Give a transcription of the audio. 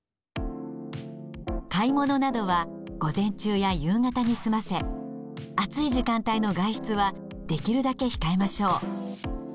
買い物などは午前中や夕方に済ませ暑い時間帯の外出はできるだけ控えましょう。